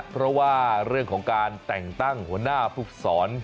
เพราะว่าเรื่องของการแต่งตั้งหัวหน้าภูกษร